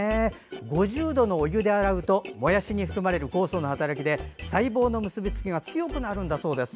５０度のお湯で洗うともやしに含まれる酵素の働きで細胞の結びつきが強くなるんだそうです。